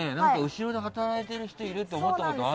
後ろで働いてる人いると思ったことあるもん。